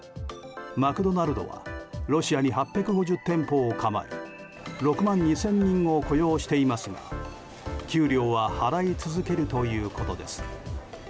マクドナルドはロシアに８５０店舗を構え６万２０００人を雇用していますが給料は払い続けるということです。